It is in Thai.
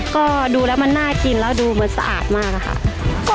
ก็ดูแล้วมันน่ากินแล้วดูเหมือนสะอาดมากอะค่ะ